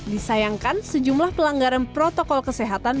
disayangkan sejumlah pelanggaran protokol kesehatan